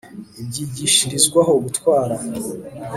ibyigishirizwaho gutwara